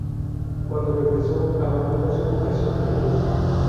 Cuando regresó, abandonó su vocación religiosa.